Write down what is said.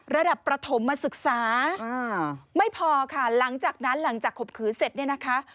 ระดับประถมมาศึกษาไม่พอค่ะหลังจากนั้นหลังจากข่มขืนเสร็จเนี่ยนะคะ